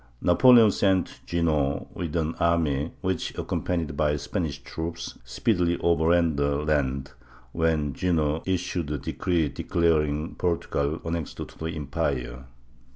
Napoleon sent Junot with an army which, accompanied by Spanish troops, speedily overran the land, when Junot issued a decree declaring Portugal annexed to the em pire.